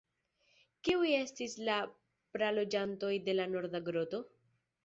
Kiuj estis la praloĝantoj de la norda groto?